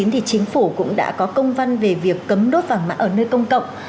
thì chính phủ cũng đã có công văn về việc cấm đốt vàng mã ở nơi công cộng